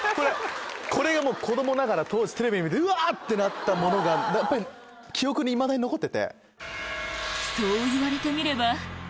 これが子供ながら当時テレビ見てうわ！ってなったものが記憶にいまだに残ってて。